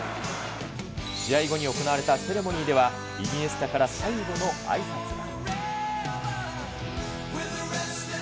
試合後に行われたセレモニーでは、イニエスタから最後のあいさつが。